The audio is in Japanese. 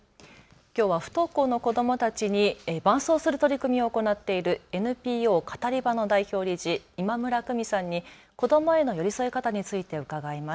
きょうは不登校の子どもたちに伴走する取り組みを行っているＮＰＯカタリバの代表理事、今村久美さんに子どもへの寄り添い方について伺います。